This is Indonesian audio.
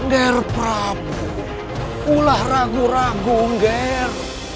ger prabu kulah ragu ragu ger